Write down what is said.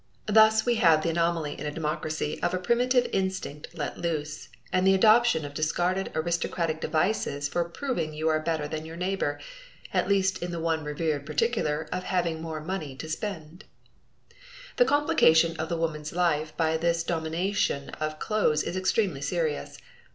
Thus we have the anomaly in a democracy of a primitive instinct let loose, and the adoption of discarded aristocratic devices for proving you are better than your neighbor, at least in the one revered particular of having more money to spend! The complication of the woman's life by this domination of clothes is extremely serious.